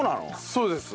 そうです。